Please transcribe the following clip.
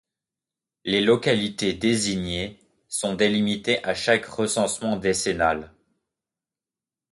Les localités désignées sont délimitées à chaque recensement décennal.